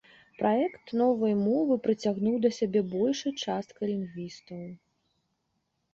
Праект новай мовы прыцягнуў да сябе большай часткай лінгвістаў.